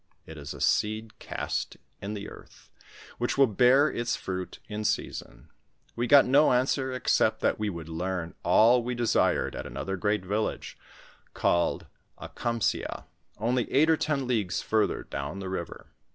It is a seed cast in the earth which will bear its fruit in season. We got no answer, except that we would learn all we desired at another great village called Akamsea, only eight or ten leagues farther down the river.